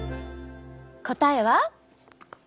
答えは。